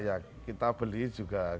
ya kita beli juga